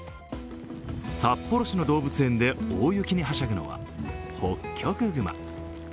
札幌市の動物園で大雪にはしゃぐのはホッキョクグマ。